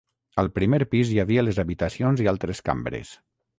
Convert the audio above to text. Al primer pis hi havia les habitacions i altres cambres.